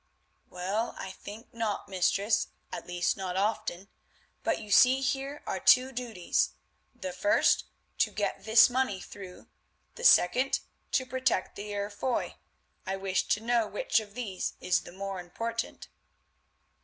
"Well, I think not, mistress, at least not often; but you see here are two duties: the first, to get this money through, the second, to protect the Heer Foy. I wish to know which of these is the more important."